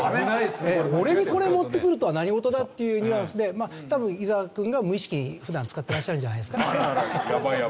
俺にこれ持ってくるとは何事だっていうニュアンスで多分伊沢くんが無意識に普段使ってらっしゃるんじゃないんですか？